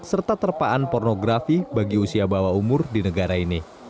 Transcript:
serta terpaan pornografi bagi usia bawah umur di negara ini